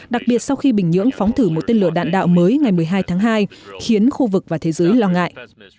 đặc biệt sau khi bình nhưỡng phóng thử một tên lửa đạn đạo mới ngày một mươi hai tháng hai khiến khu vực và thế giới lo ngại